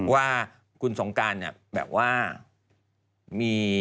ว่าคุณสงการแบบว่ามี